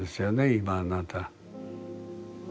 今あなた。